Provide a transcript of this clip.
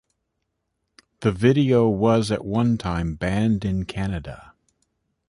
The video was at one time banned in Canada.